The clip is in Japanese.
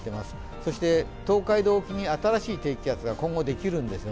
そして東海道沖に新しい低気圧が今後、できるんです。